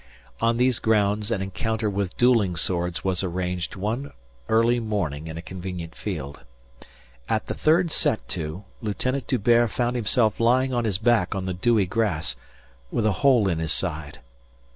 On these grounds an encounter with duelling swords was arranged one early morning in a convenient field. At the third set to, Lieutenant D'Hubert found himself lying on his back on the dewy grass, with a hole in his side.